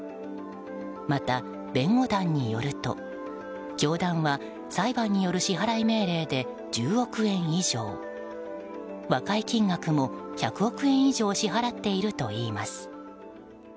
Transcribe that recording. また、弁護団によると教団は裁判による支払い命令で１０億円以上和解金額も１００億円以上支払っているといいます。